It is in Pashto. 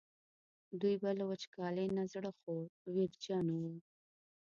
دوی به له وچکالۍ نه زړه خوړ ویرجن وو.